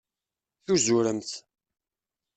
Tuzuremt.